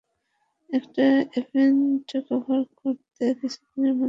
একটা event cover করতে কিছুদিনের মধ্যেই আমরা শহরের বাইরে যাচ্ছি।